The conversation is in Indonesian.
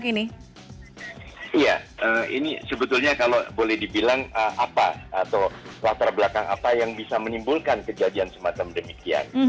iya ini sebetulnya kalau boleh dibilang apa atau latar belakang apa yang bisa menimbulkan kejadian semacam demikian